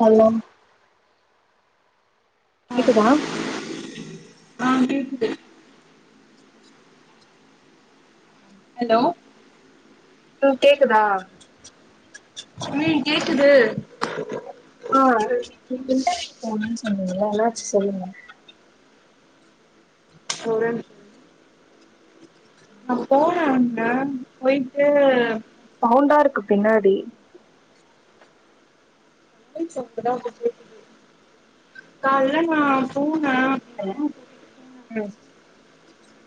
Hello கேக்குதா ஆ கேக்குது ஹலோ ஹாலோ கேக்குதா உம் கேக்குது ஆ ரிட் ரிட்டன் போணுன்னு சொன்னீங்களே என்னாச்சுனு சொல்லுங்க ஓரே நி நா போன ஒடனே போயிட்டு சவுண்டா இருக்கு பின்னாடி [inaudible] அப்படி தா காலையில நா போனே [unintelligible] ம் [inaudible]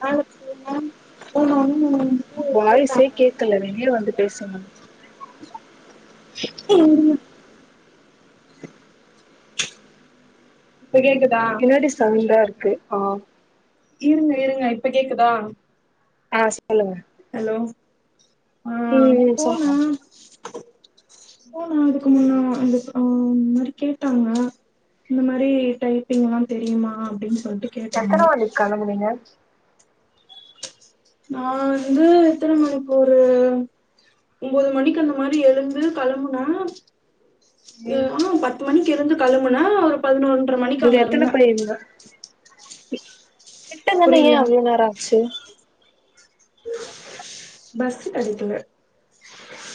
ஆ [unintelligible] மேம் போனோனே வாய்சே கேட்டாங்க கேக்கல வெளிய வந்து பேசுங்க ம் இப்ப கேக்குதா பின்னாடி சவுண்டா இருக்கு ஆ இருங்க இருங்க இப்ப கேக்குதா ஆ சொல்லுங்க ஹலோ ஆ ம் ம் போன சொல்லுங்க போனா அதுக்கு முன்னா அது இப்போ இந்த மாரி கேட்டாங்க இந்த மாரி டைப்பிங் எல்லா தெரியுமா அப்படின்னு சொல்லி எத்தன மணிக்கு கெளம்புணிங்க நா வந்து எத்தன மணிக்கு ஒரு ஒன்பது மணிக்கு அந்த மாரி எழுந்து கெளம்புனா ம் ஆ பத்து மணிக்கு இருந்து கெளம்புனா ஒரு பதினொன்ற மணிக்கு அங்க இருந்தே தெர்ல கிட்டதானே ஏ புரில அவ்வளோ நேரோ ஆச்சு பஸ் கெடைக்கல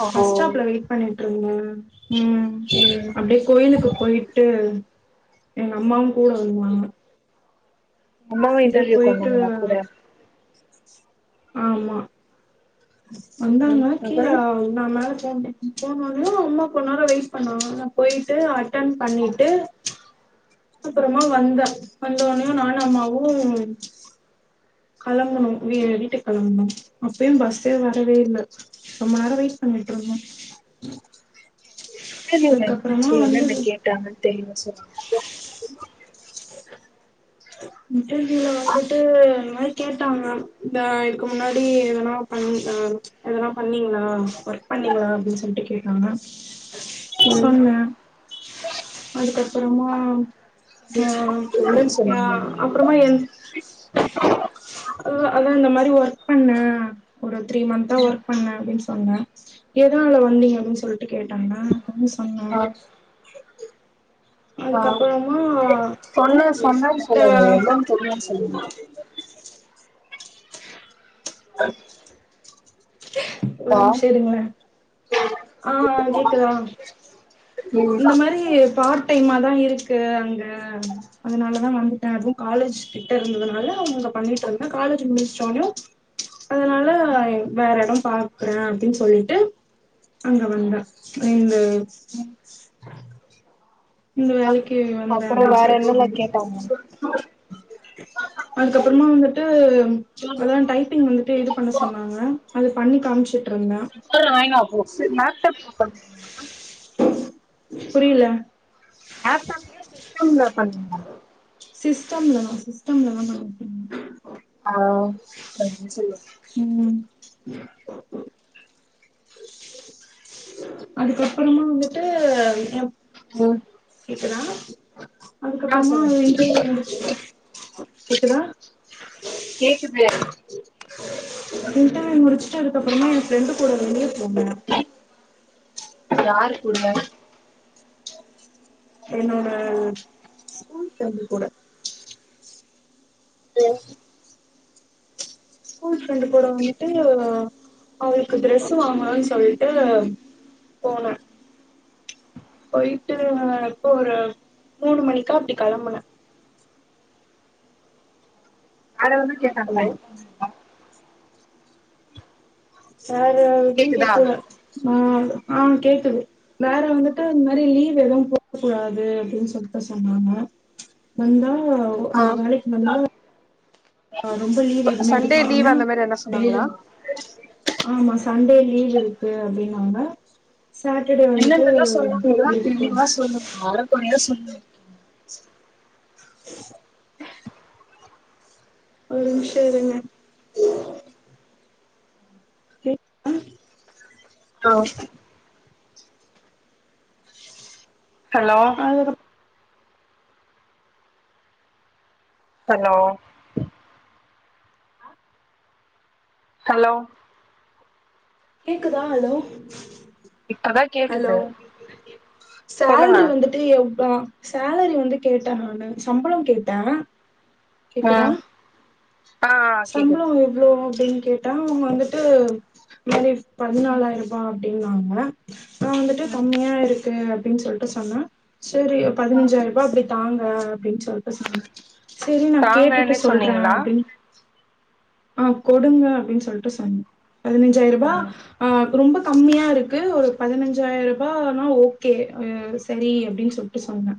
ஓ பஸ் ஸ்டாப்ல வெயிட் பண்ணிட்டு இருந்த ம் ம் அப்படியே கோயிலுக்கு போயிட்டு எங்க அம்மாவு கூட வருவாங்க அம்மாவு இன்டர்வியூக்கு போயிட்டு வந்தாங்களா கூட ஆமா ம் வந்தாங்க கீழ அப்பறோ ஆ நா மேல ஃபோன் போம்போது அம்மா கொஞ்சு நேரோ வெயிட் பண்ணாங்க நா போயிட்டு அட்டன் பண்ணிட்டு அப்றமா வந்து வந்தோனே நானு அம்மாவு கெளம்பணு வீ வீட்டுக் கெளம்புனு அப்பயு பஸ்ஸே வரவே இல்ல ரொம்ப நேரோ வெய்ட் பண்ணிட்டு இருந்தோ தெரியல அதுக்கப்புறமா செர் என்னென் வந்தது போய் கேட்டாங்கன் தெரியில செரி [unintelligible] இன்டர்வியூல வந்துட்டு இந்த மாரி கேட்டாங்க இந்த இதுக்கு முன்னாடி எதுனா பண்ணி தா அதெல்லா பண்ணீங்ளா ஒர்க் பண்ணீங்ளா அப்டின் சொல்ட்டு கே ட்டாங்க ம் சொன்ன அதுக்கப்றமா ஆ இல்லன்னு சொன்னீங்க அப்றமா என் அதா அதா இந்த மாரி ஒர்க் பண்ண ஒரு த்ரீ மந்த்தா ஒர்க் பண்ண அப்டின் சொன்ன எதுனால வந்தீங்க அப்டின் சொல்ட்டு கேட்டாங்க அத சொன்ன ஆ ஆ அதுக்கப்புறமா ஆ சொன்னா சொன்னன் சொல்லுங்க எதியோன் சொன்னன் சொல்லுங்க ஒரு ஆ நிமிச இருங்களே ஆ கேக்குதா ம் இந்த மாரி பார்ட் டைம தா இருக்கு அங்க அதனால தா வந்துட்ட அப்ப காலேஜ் கிட்ட இருந்ததுனால அவுங்க பண்ணிட்ருந்த காலேஜ் முடிச்சோனையு அதனால வேற எடம் பாக்றே அப்டின் சொல்ட்டு அங்க வந்தா இந்த இந்த அப் வேலைக்கு வந்தே அப்புற அப்டின்னு வேற சொல்லிட்டு என்னல்லா கேட்டாங்க அதுக்கப்றமா வந்துட்டு அதா டைப்பிங் வந்துட் டு இது பண்ண சொன்னாங்க அது பண்ணி காமிச்ட்டு இருந்தே சொல்ற வாய்ன்னு வா போ புரியில லேப்டாப் கே சிஸ்டம்ல பண்ணணுமா சிஸ்டம்ல தா சிஸ்டம்ல தாங்க [unintelligible] ஹலோ சரி நீ சொல்லு ம் அதுக்கப்றமா வந்துட்டு [unintelligible] ம் கேக்குதா ஆ அதுக்கப்றமா சொல்லுங்க [unintelligible] கேக்குதா கேக்குது இன்டன் முடிச்ட்டு அதுக்கப்றமா எ ஃபிரெண்டு கூட வெளிய போன யாரு கூட என்னோட ஸ்கூல் ஃபிரண்டு கூட தென் ஸ்கூல் ஃப்ரெண்டு் கூட வந்துட்டு அவுளுக்கு டிரரெஸ் வாங்கணுன் சொல்ட்டு போன போய்ட்டு இப்போ ஒரு மூணு மணிக்கா அப்டி கெளம்பன அத வந்து கேட்டாங்லா ஹலோ வேற எது கேக்குதா கேக்கல அ ஆ கேக்குது வேற வந்துட்டு இந்த் மாரி லீவ் எதுவு போடக் கூடாது அப்டின் சொல்ட்டு சொன்னாங்க வந்தா ஆ வேலைக்கு வந்தா ஆ ரொம்ப லீவ் எதுமே சண்டே எடுக்காம லீவ் அந்த மாரி எதனா டெய்லி சொன்னாங்களா ஆமா சண்டே லீவ் இருக்கு அப்டின்னாங்க சாட்டர் டே வந்துட்டு லீவ் டேஸ் அற கொறையா சொல் ஒரு நிமிஷம் இருங்க கேக்குதா? ஆ ஹலோ ம் ஹலோ ஹலோ கேக்குதா ஹலோ இப்ப தா கேக் ஹலோ சொல்லுங்க சேல்ரி வந்து எ சேலரி வந்து கேட்ட நானு சம்பளம் கேட்ட கேக்குதா ம் ஆ கேக்குது சம்பளம் எவ்ளோ அப்டின்னு கேட்டா அவுங்க வந்துட்டு இது மாரி பதினாலாயிரம் ரூபா அப்டின்னாங்க நா வந்துட்டு ம் கம்மியா இருக்கு அப்டின்னு சொல் சொன்ன சநரி ம் பதினஞ்சாயிரம் ரூபா அப்டி தாங்க அப்டின் சொல்ட்டு சொன்ன செரி நா கேட்டுட்டு தாங்கன்னு சொல்ற சொன்னீங்களா ஆ கொடுங்க அப்டின்னு சொல்ட்டு சொன்ன பதினஞ்சாயிர ரூபா ஆ ஆ ரொம்ப கம்மியா இருக்கு ஒரு பதினஞ்சாயிர ரூபானா ஓகே செரி அப்டின்னு சொல் சொன்ன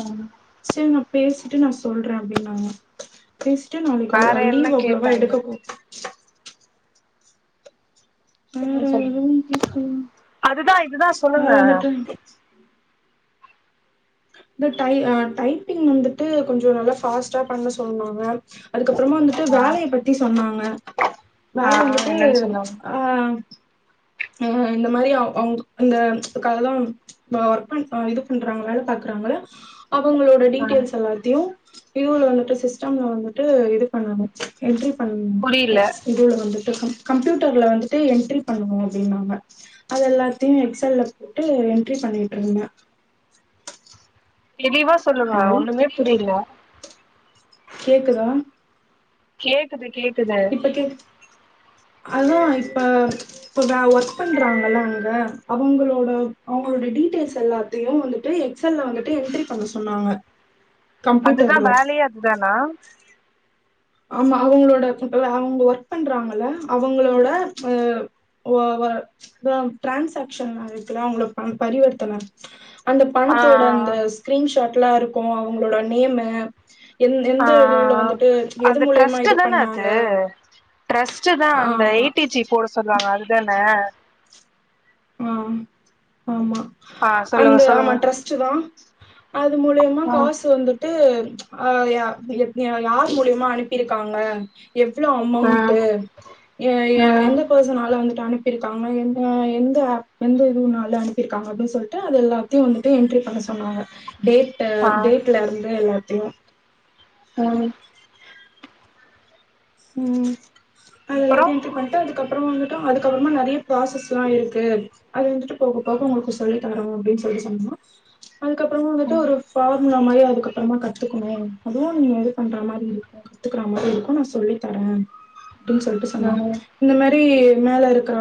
ம் செரி நா ‌ பேசிட்டு நா சொல்ற அப்டின்னாங்க பேசிட்டு வேற நாளைக்குள்ள என்ன லீவ் அவ்ளோவா கேட்டாங்க எடுக்க கூ வேற சொல்லுங்க எதுவும் கேக்கல அதுதா இதுதா வேற சொல்லுங்க வந்துட்டு இந்த அ டைப்பிங் வந்துட்டு கொஞ்சோ நல்லா ஃபாஸ்ட்டா பண்ண சொன்னாங்க அதுக்கப்பறமா வந்துட்டு ஆ வேலையை பத்தி சொன்னாங்க வேல ஆ வந்துட்டு என்னன்னு சொன்னாங்க ஆ ஆ இந்த மாரி அவுங்க இந்த அதெல்லா ஒர்க் பண் இது பண்றாங்கள வேல பாக்குறாங்கள அவுங்களோட ஆ டீட்டெயில்ஸ் எல்லாத்தையு இதுல வந்துட்டு சிஸ்டம்ல வந்துட்டு இது பண்ணணு என்ட்ரி பண்ணு புரியல இதுல வந்துட்டு கம்ப்யூட்டர்ல வந்துட்டு என்ட்ரி பண்ணணு அப்டினாங்க அது எல்லாத்தையு எக்ஸ்ஸல்ல போட்டு என்ட்ரி பண்ணிட்டு இருந்த தெளிவா சொல்லுங்க ஹலோ ஒண்ணுமே புரில கேக்குதா கேக்குது கேக்குது அதா இப்ப இப்ப வே ஒர் ஒர்க் பண்றாங்கள அங்க அவுங்ளோட அவுங்களோட டீடெய்ல்ஸ் எல்லாத்தையு வந்துட்டு எக்ஸ்எல்ள வந்துட்டு என்ட்ரி பண்ண சொன்னாங்க அதுதா கம்ப்யூட்டர்ல வேலைய அதுதானா ஆமா அவுங்ளோட அவுங்க ஒர்க் பண்றாங்கள அவுங்ளோட ஆ ஒ ஒ இதா டிரான்சாகஷன் இருக்குல அவுங்கள பரிவர்த்தன அந்த ஆ பணத்தோட அந்த ஸ்கிரீன்ஷாட் எல்லா இருக்கு அவுங்ளோட நேம்மு எந் ஆ ஆ எந்த இதுவுல வந்துட்டு எது அது மூலியமா இது ட்ரஸ்ட்டுதான அது பண்ணாங்க ட்ரஸ்ட்தா அந்த ஏ ஆமா டி ஜி போட சொல்லுவாங்க அதுதான ஆ ஆமா ஆ அந்த சொல்லுங்க ஆமா சொல்லுங்க டிரஸ்ட்டுதான் அது மூலியமா ம் காசு வந்து ட்டு யா யார் மூலியமா அனுப்பியிருக்காங்க எவ்ளோ அமௌன்ட் ம் எ எ ம் எந்த பர்சனால வந்தட்டு அனுப்பிருக்காங்க என்ன எ ந்த ஆப் எந்த இதுனால அனுப்பிருக்காங்க அப்டின் சொல்ட்டு அது எல்லாத்தையு வந்துட்டு என்டரி பண்ண சொன்னாங்க டேட் ட்டு ஆ டேட்லருந்து எல்லாத்தையு ம் ம் அப்பறோ அதெல்லாத்தையு என்டர் பண்ட்டு அதுக்கப்பறமா வந்துட்டு அதுக்கப்பறமா நெறைய ப்ராசஸ் எல்லா ஆயிருக்கு அது வந்துட்டு போக போக உங்களுக்கு சொல்லி தரோ அப்டின்னு சொல்லி சொன்னா அதுக்கப்பறமா வந்துட்டு ஒரு பார்முலா மாரி அதுக்கப்பறமா கத்துக்கணு அதுவு நீங்க இது பண்ற மாரி இருக்கு கத்துக்கற மாரி இருக்கு நா சொல்லித் தர அப்டின்னு சொல்ட்டு சொன்னாங் ம் இந்த மாரி மேல இருக்கற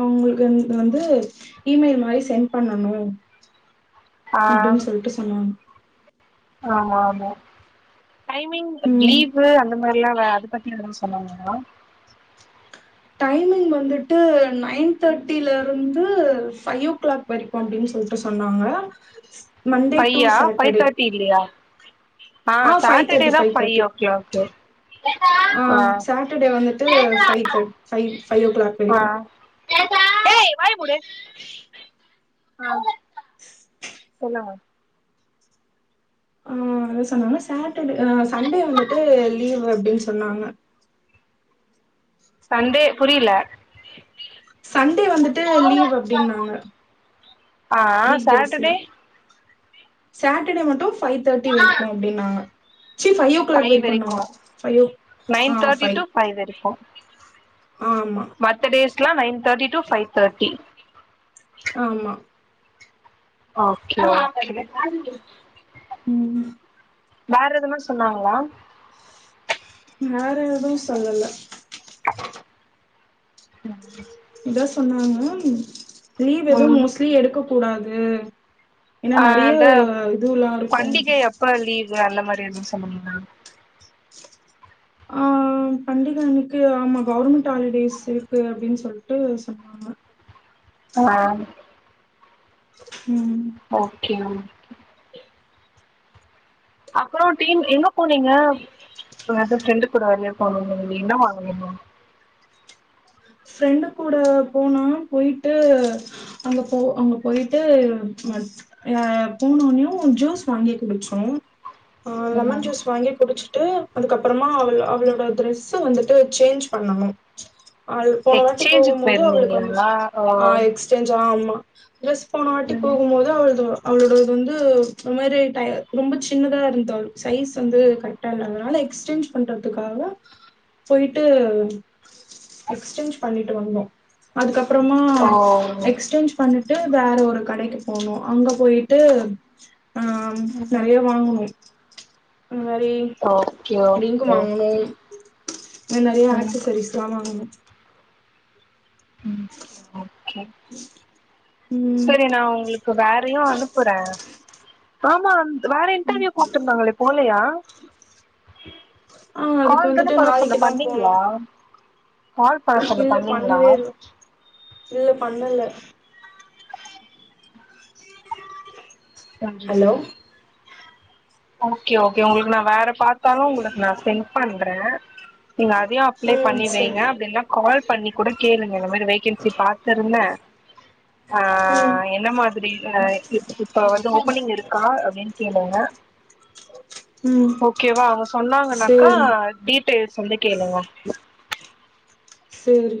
அவுங்களுக்கு வந்து இமெயில் மாரி சென்ட் பண்ணணு ஆ அப்டின் சொல்ட்டு சொன்னாங்க ஆமாமா டைமிங் ம் லீவு அந்த மாரில்லா அத பத்தி எதுவு சொன்னாங்ளா டைமிங் வந்துட்டு நைன் தேர்ட்டிலருந்து ஃபைவ் ஓ கிளாக் வரை க்கு அப்டின் சொல்ட்டு சொன்னாங்க Monday to five five Saturday thirty இல்லையா ஆ ஃபைவ் தேர்ட்டி சாட்டர்டேதா ஃபைய்யோ க்ளாக் அ சாட்டர்டே வந்துட்டு ஃபைவ் தே ஃபைவ் ஃபைவ் ஓ கிளாக் ஆ வரைக்கு ஏய் வாயமுட [inaudible] ஆ சொல்லுங்க ஆ அதா சொன்னாங்க சாட்டர்டே அ சண்டே வந்துட்டு லீவ் அப்டின்னு சொன்னாங்க சண்டே புரில சண்டே வந்துட்டு லீவ் அப்டின்னாங்க ஆ வீக்டேஸ்ல சாட்டர்டே சாட்டர்டே மட்டு ஃபைவ் தேர்டி வரைக்கு அப்டின்னாங்க ச்சி ஃபைவ் ஓ க்ளாக் வரைக்குனாங்க ஃவைவோ ஆ நைன் தேர்ட்டி ஃபைவ் டு வரைக்கு ஆமா மத்த டேஸ்ஸெல்லா nine thirty to five thirty ஆமா ஓகே ஓகே ம் வேற எதுனா சொன்னாங்ளா வேற எதுவு சொல்லல [unintelligible] இதா சொன்னாங்க லீவ் எதவு ம் மோஸ்ட்லி எடுக்க கூடாது ஏனா ஆ நெறைய இதுல்லா இருக்கு இப்ப லீவு அந்த மாரி எதுவு சொன்னாங்ளா ஆ பண்டிக அன்னுக்கு ஆமா கவர்மெண்ட் ஹாலிடேஸ் இருக்கு அப்டின்னு சொல்ட்டு சொன்னாங்க [unintelligible] ம் ஓகே ம் அப்பறோ டீம் எங்க போனீங்க எதோ ஃப்ரெண்டு கூட வெளியே போனுனீங்களே என்ன வாங்குனிங்க ஃப்ரெண்டு கூட போனோ போயிட்டு அங்க போ அங்க போயிட்டு அ போனோனையு ஜூஸ் வாங்கி குடிச்சோ ஆ லெமன் ம் ஜூஸ் வாங்கி குடிச்சுட்டு அதுக்கப்பறமா அவள் அவளோட டிரரெஸ் வந்து சேஞ் பண்ணனு அது போனவாட்டி போகு எக்ஸ்சேஞ்சுக்கு போது அவளுக்கு போயிருந்தீங்களா ஓ வந்து சேஞ் ஆமா ட்ரெஸ் போன வாட்டி ம் போகும்போது அவ்ளுது அவளோடது வந்து ஒரு மாரி டை ரொம்ப சின்னதா இருந்தாள் சைஸ் வந்து கரெக் கரெக்டா இல்ல அதனால எக்ஸ்சேஞ் பண்றதுக்காக போயிட்டு எக்ஸ்சேஞ் பண்ணிட்டு வந்தோ அதுக்கப்பறமா ஓ எக்ஸேஞ்ச் பண்ணுட்டு வேற ஒரு கடைக்கு போனோ அங்க போயிட்டு அ ம் நெறைய வாங்கணோ அந்த மாரி ஓகே ரிங்கு ஓகே வாங்கணோ ஓகே நெறைய ம் ஆக்சசரிஸ்லா வாங்கணோ ம் சரி நா உங்ளுக்கு இப்ப வேறயு அனுப்பற‌ ஆமா வேற இன்டர்வியூ கூப்டிருந்தாங்களே போலயா [inaudible] கால்ல தா வந்துட்டு பண்ண சொன்ன நாளைக்குதா போனு பண்ணீங்களா கால் பண்ண சொன்ன இல்ல பண்ணீங்களா பண்ணவே இல்ல இல்ல பண்ணல ஹலோ [unintelligible] ஓகே ஓகே உங்களுக்கு நா வேற பாத்தாலு உங்களுக்கு நா சென்ட் பண்ற நீங்க அதையு அப்ளை ம் பண்ணி வைங்க சரி அப்டியில்னா கால் பண்ணி கூட கேளுங்க இந்த மாரி வேகன்சி பாத்திருந்த ஆ ம் என்ன மாதிரி இப் இப்ப வந்து ஓபனிங் இருக்கா அப்டின்னு கேளுங்க [inaudible] ஓகேவா அவங்க சொன்னாங்கனாக்கா சேரி டீட்டெயில்ஸ் வந்து கேளுங்க சேரி